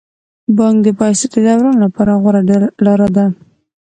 بانک د پيسو د دوران لپاره غوره لاره ده.